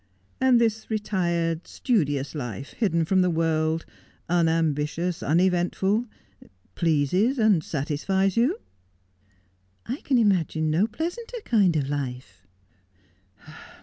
' And this retired, studious life, hidden from the world, un ambitious, uneventful, pleases and satisfies you 1 '' I can imagine no pleasanter kind of life.'